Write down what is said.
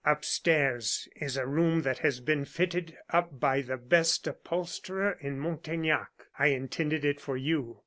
"Upstairs is a room that has been fitted up by the best upholsterer in Montaignac. I intended it for you.